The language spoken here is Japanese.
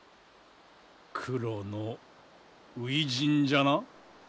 九郎の初陣じゃな。